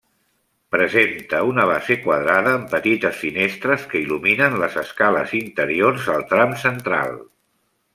Presenta una base quadrada, amb petites finestres que il·luminen les escales interiors al tram central.